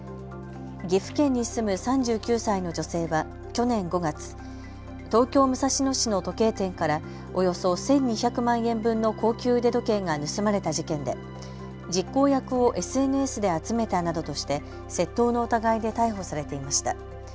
岐阜県に住む３９歳の女性は去年５月、東京武蔵野市の時計店からおよそ１２００万円分の高級腕時計が盗まれた事件で実行役をＳＮＳで集めたなどとして窃盗の疑いで逮捕されていました。